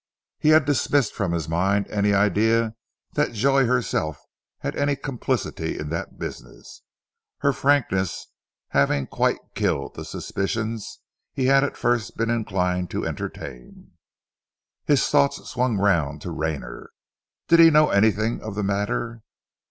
He had dismissed from his mind any idea that Joy herself had any complicity in that business, her frankness having quite killed the suspicions he had at first been inclined to entertain. His thoughts swung round to Rayner. Did he know anything of the matter?